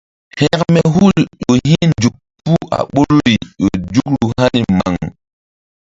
Hȩkme hul ƴo hi̧nzuk puh a ɓoruri ƴo nzukru hani maŋ.